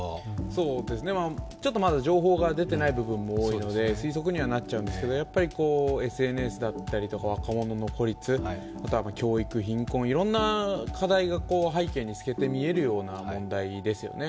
まだ情報が出ていない部分も多いので推測にはなっちゃうんですけど、やっぱりＳＮＳだったり若者の孤立、あとは教育、貧困、いろんな課題が背景に透けて見えるような問題ですよね。